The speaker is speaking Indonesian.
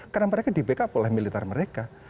karena mereka di backup oleh militer mereka